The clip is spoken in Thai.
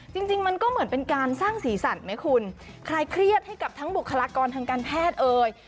จริงจริงมันก็เหมือนเป็นการสร้างสีสันไหมคุณคลายเครียดให้กับทั้งบุคลากรทางการแพทย์เอ่ย